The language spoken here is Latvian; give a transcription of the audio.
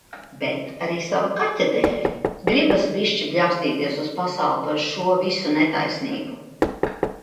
Bet arī sava kaķa dēļ. Gribas bišķi bļaustīties uz pasauli par šo visu netaisnību.